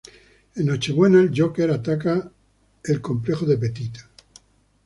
En Nochebuena, el Joker ataca el complejo de Petit.